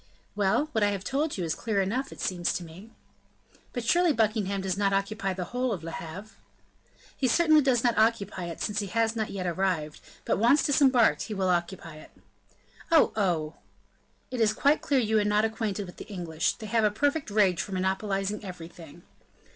"Well, what I have told you is clear enough, it seems to me." "But surely Buckingham does not occupy the whole of Le Havre?" "He certainly does not occupy it, since he has not yet arrived; but, once disembarked, he will occupy it." "Oh! oh!" "It is quite clear you are not acquainted with the English; they have a perfect rage for monopolizing everything."